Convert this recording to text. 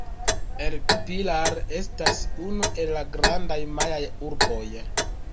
El Pilar estas unu el la grandaj majaaj urboj.